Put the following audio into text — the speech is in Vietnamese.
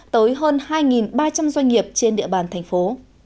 tới hơn hai ba trăm linh doanh nghiệp trên địa bàn thành phố